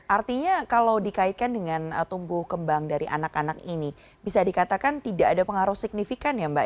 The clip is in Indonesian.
artinya kalau dikaitkan dengan tumbuh kembang dari anak anak ini bisa dikatakan tidak ada pengaruh signifikan ya mbak